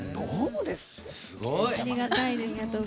ありがたいです。